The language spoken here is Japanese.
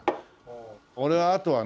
俺はあとはね